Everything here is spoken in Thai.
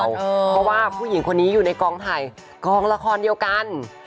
เพราะว่าผู้หญิงคนนี้อยู่ในกองถ่ายกองละครเดียวกัน